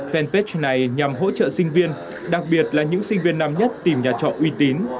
fanpage này nhằm hỗ trợ sinh viên đặc biệt là những sinh viên năm nhất tìm nhà trọ uy tín